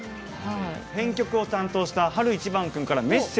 編曲を担当した晴いちばん君からメッセージ届いてます。